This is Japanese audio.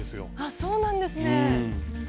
そうなんですね！